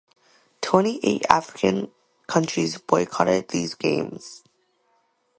Twenty-eight African countries boycotted these Games.